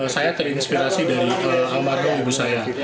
saya terinspirasi dari almarhum ibu saya